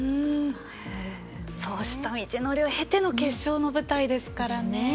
そうした道のりを経ての決勝の舞台ですからね。